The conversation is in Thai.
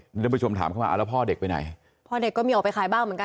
ท่านผู้ชมถามเข้ามาอ่าแล้วพ่อเด็กไปไหนพ่อเด็กก็มีออกไปขายบ้างเหมือนกัน